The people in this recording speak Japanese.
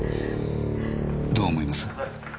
どう思います？